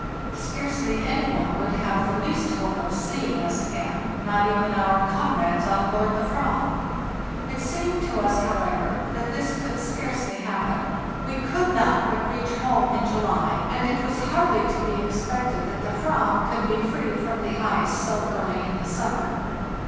Scarcely any one would have the least hope of see ing us again, not even our comrades on board the /vaz. It seemed to us, however, that this could scarcely happen ; we could not but reach home in July, and it was hardly to be expected that the /vam could be free from the ice so early in the summer.